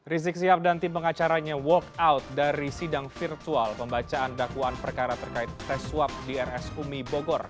rizik sihab dan tim pengacaranya walk out dari sidang virtual pembacaan dakwaan perkara terkait tes swab di rs umi bogor